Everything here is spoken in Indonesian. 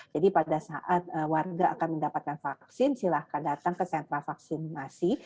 jadi pada saat warga akan mendapatkan vaksin silakan datang ke sentral vaksinasi